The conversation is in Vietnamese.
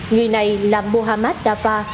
người này là mohamed afar